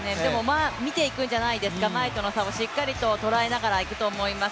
見ていくんじゃないですか、前との差をしっかりと捉えながらいくと思います。